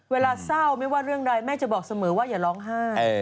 เวลาเศร้าไม่ว่าเรื่องใดแม่จะบอกเสมอว่าอย่าร้องไห้